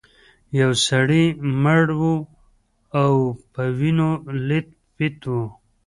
یو سړی مړ و او په وینو لیت پیت و.